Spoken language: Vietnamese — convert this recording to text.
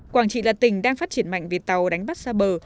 quảng trị là tỉnh đang phát triển mạnh về tàu đánh bắt xa bờ